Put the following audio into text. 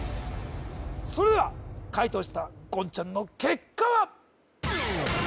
それでは解答した言ちゃんの結果は？